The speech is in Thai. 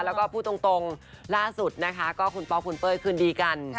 แล้วก็พูดตรงล่าสุดนะคะก็คุณป๊อกคุณเป้ยคืนดีกัน